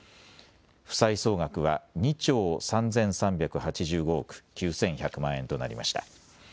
負債総額は２兆３３８５億９１００万円となりました。